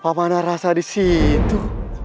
pemanah rasa disitu